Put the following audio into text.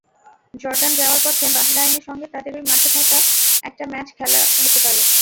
Jordan যাওয়ার পথে বাহরাইনের সঙ্গে তাদেরই মাঠে একটা ম্যাচ খেলা হতে পারে।